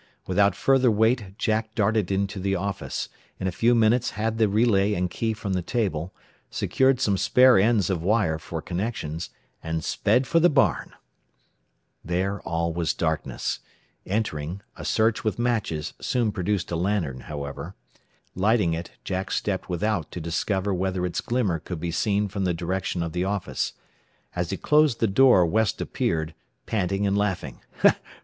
Without further wait Jack darted into the office, in a few minutes had the relay and key from the table, secured some spare ends of wire for connections, and sped for the barn. [Illustration: LOOPED IT OVER THE TOPMOST STRAND, NEAR ONE OF THE POSTS.] There all was darkness. Entering, a search with matches soon produced a lantern, however. Lighting it, Jack stepped without to discover whether its glimmer could be seen from the direction of the office. As he closed the door West appeared, panting and laughing.